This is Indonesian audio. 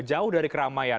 jauh dari keramaian